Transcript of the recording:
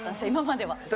今までは。